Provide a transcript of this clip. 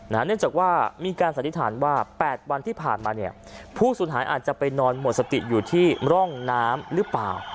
เนื่องจากว่ามีการสันนิษฐานว่า๘วันที่ผ่านมาเนี่ยผู้สูญหายอาจจะไปนอนหมดสติอยู่ที่ร่องน้ำหรือเปล่า